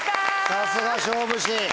さすが勝負師。